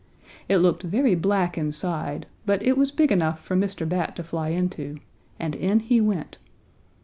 It looked very black inside, but it was big enough for Mr. Bat to fly into, and in he went.